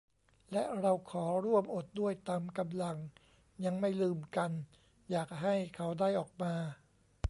และเราขอร่วมอดด้วยตามกำลัง ยังไม่ลืมกัน อยากให้เขาได้ออกมา